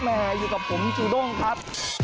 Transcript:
อยู่กับผมจูด้งครับ